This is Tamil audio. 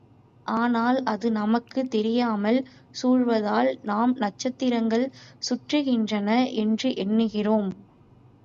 ஆனால், அது நமக்குத் தெரியாமல் சுழலுவதால் நாம் நட்சத்திரங்கள் சுற்றுகின்றன என்று எண்ணுகிறோம்.